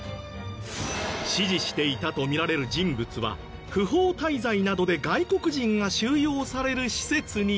指示していたと見られる人物は不法滞在などで外国人が収容される施設にいた。